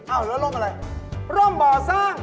เอาแล้วร่มอะไรร่มบ่อสร้าง